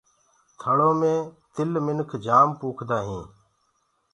ٿݪيٚ مي تل منک تِل جآم پوکدآ هينٚ۔